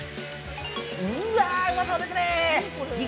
うまそうですね。